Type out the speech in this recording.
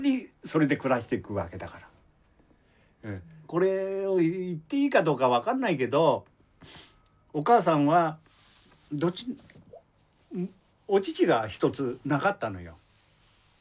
それがこれ言っていいかどうか分かんないけどお母さんはどっちお乳が１つなかったのよ。